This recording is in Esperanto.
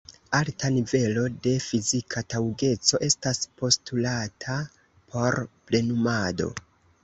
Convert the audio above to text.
Alta nivelo de fizika taŭgeco estas postulata por plenumado.